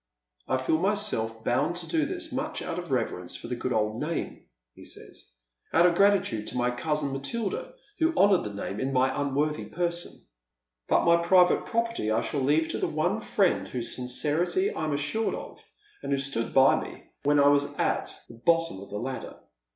" I feel myself bound to do this much out of reverence for the good old name," he says, " out of gratitude to my cousin Matilda, who honoured the name in my unworthy person. But my personal property I shall leave to the one friend whose •uicfiity 1 am asKured of, and who stood by mc when I was at Alexia Cornea to Grief. 221 the bottom of the ladder.